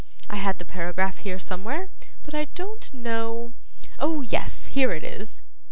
I had the paragraph here somewhere but I don't know oh, yes, here it is.